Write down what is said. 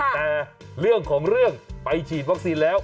แต่เรื่องของเรื่องไปฉีดวัคซีนแล้ว